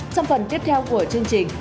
trong phần tiếp theo của chương trình